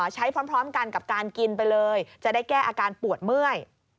พร้อมกันกับการกินไปเลยจะได้แก้อาการปวดเมื่อย